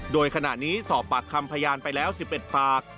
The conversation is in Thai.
โดยขณะนี้สอบปากคำพยานไปแล้ว๑๑ปาก